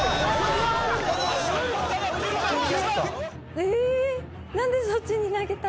えっ！